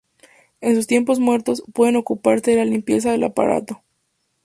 En sus tiempos muertos, pueden ocuparse de la limpieza del aparato.